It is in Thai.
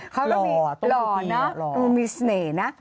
เขาก็มีหล่อนะดูมีเสน่ห์นะ